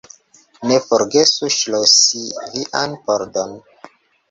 Ne forgesu ŝlosi vian pordon.